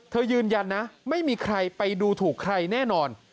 ยืนยันนะไม่มีใครไปดูถูกใครแน่นอน